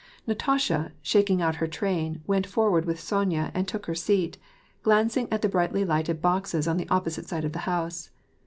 Natasha, shaking out her train, went forward with Sonya and took her seat, glancing at the brightly lighted boxes on the opposite side of the house.